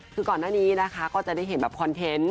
คือก่อนหน้านี้นะคะก็จะได้เห็นแบบคอนเทนต์